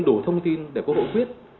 đủ thông tin để quốc hội quyết